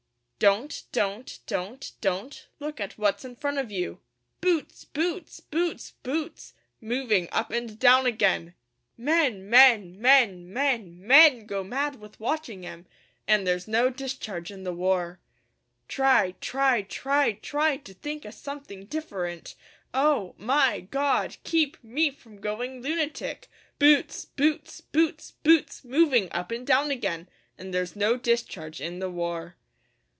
Don't don't don't don't look at what's in front of you; Boots boots boots boots moving up and down again; Men men men men men go mad with watching 'em. An' there's no discharge in the war. Try try try try to think o' something different Oh my God keep me from going lunatic! Boots boots boots boots moving up and down again An' there's no discharge in the war.